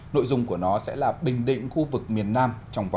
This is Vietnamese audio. nội dung của nó sẽ là bình định khu vực miền nam